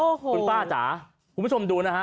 โอ้โหคุณป้าจ๋าคุณผู้ชมดูนะฮะ